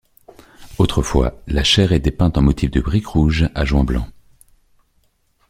Autrefois, la chaire était peinte en motif de briques rouges à joints blancs.